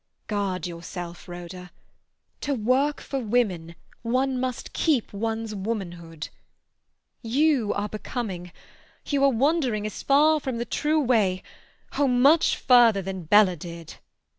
Guard yourself, Rhoda! To work for women one must keep one's womanhood. You are becoming—you are wandering as far from the true way—oh, much further than Bella did!"